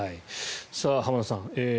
浜田さん